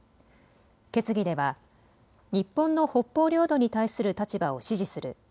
決議では日本の北方領土に対する立場を支持する。